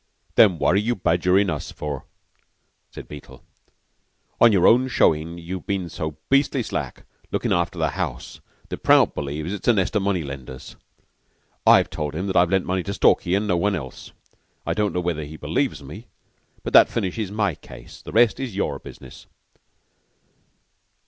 "Then what are you badgerin' us for?" said Beetle. "On your own showing, you've been so beastly slack, looking after the house, that Prout believes it's a nest of money lenders. I've told him that I've lent money to Stalky, and no one else. I don't know whether he believes me, but that finishes my case. The rest is your business."